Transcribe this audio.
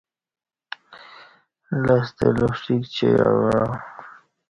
لستہ لوݜٹیک چائ اوعا